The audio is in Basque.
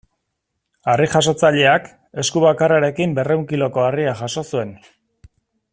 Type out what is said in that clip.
Harri-jasotzaileak, esku bakarrarekin berrehun kiloko harria jaso zuen.